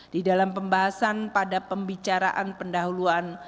di dalam pembahasan pada pembicaraan pendahuluan